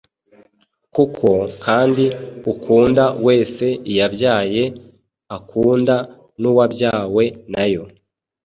Kuko, “kandi ukunda wese iyabyaye akunda n’uwabyawe na yo”